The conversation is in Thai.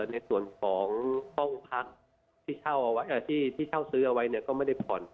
ในส่วนผลองงดพักที่ชอบซื้อเอาไว้ก็ไม่ได้ผ่อน